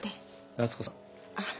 夏子さん。